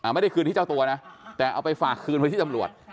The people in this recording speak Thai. ไม่ได้คืนให้เจ้าตัวนะแต่เอาไปฝากคืนไว้ที่ตำรวจ